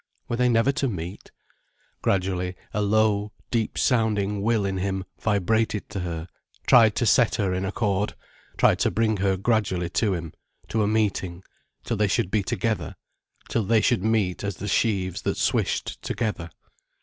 Were they never to meet? Gradually a low, deep sounding will in him vibrated to her, tried to set her in accord, tried to bring her gradually to him, to a meeting, till they should be together, till they should meet as the sheaves that swished together.